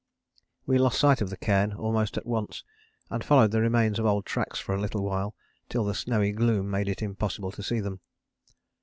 We lost sight of the cairn almost at once and followed the remains of old tracks for a little while till the snowy gloom made it impossible to see them.